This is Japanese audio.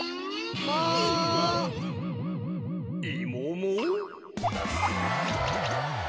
「いもも」？